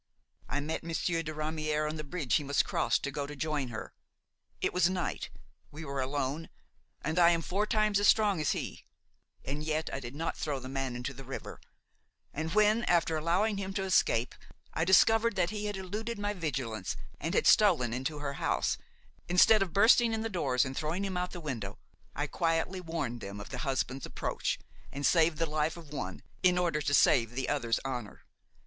I met Monsieur de Ramière on the bridge he must cross to go to join her; it was night, we were alone and I am four times as strong as he; and yet I did not throw the man into the river; and when, after allowing him to escape, I discovered that he had eluded my vigilance and had stolen into her house, instead of bursting in the doors and throwing him out of the window, I quietly warned them of the husband's approach and saved the life of one in order to save the other's honor.